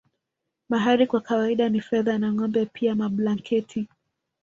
Mahari kwa kawaida ni fedha na ngombe pia mablanketi